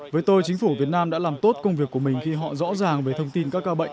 với tôi chính phủ việt nam đã làm tốt công việc của mình khi họ rõ ràng về thông tin các ca bệnh